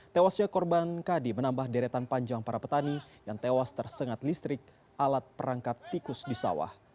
tewasnya korban kadi menambah deretan panjang para petani yang tewas tersengat listrik alat perangkap tikus di sawah